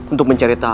untuk mencari tahu